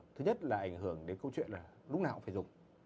thứ nhất là ảnh hưởng đến câu chuyện là lúc nào cũng phải dùng